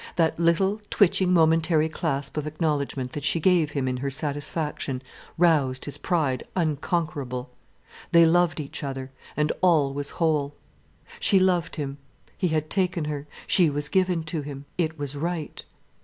That little, twitching, momentary clasp of acknowledgment that she gave him in her satisfaction, roused his pride unconquerable. They loved each other, and all was whole. She loved him, he had taken her, she was given to him. It was right.